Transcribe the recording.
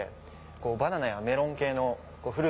バナナやメロン系の。